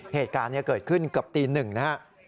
เหตุการณ์นี้เกิดขึ้นเกือบตีหนึ่งนะครับ